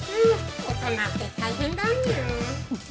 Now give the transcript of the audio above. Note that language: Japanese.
大人って大変だにゅ。